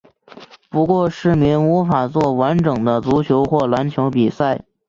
不过市民无法作完整的足球或篮球比赛。